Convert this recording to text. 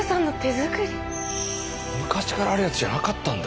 昔からあるやつじゃなかったんだ。